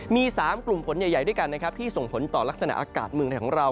มี๓กลุ่มฝนใหญ่ด้วยกันนะครับที่ส่งผลต่อลักษณะอากาศเมืองไทยของเรา